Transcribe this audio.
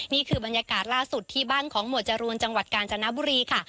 นี่คือบรรยากาศล่าสุดที่บ้านของหมวดจรูนจังหวัดกาญจนบุรีค่ะ